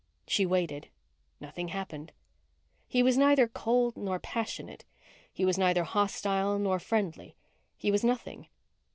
She waited. Nothing happened. He was neither cold nor passionate. He was neither hostile nor friendly. He was nothing.